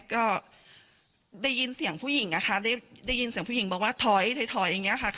ก็ได้ยินเสียงผู้หญิงนะคะได้ยินเสียงผู้หญิงบอกว่าถอยอย่างนี้ค่ะ